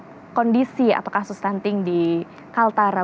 bagaimana kondisi atau kasus stunting di kaltara